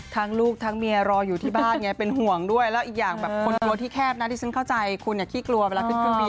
ลูกทั้งเมียรออยู่ที่บ้านไงเป็นห่วงด้วยแล้วอีกอย่างแบบคนกลัวที่แคบนะที่ฉันเข้าใจคุณอย่าขี้กลัวเวลาขึ้นเครื่องบิน